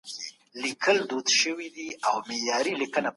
خوب یې تښتي.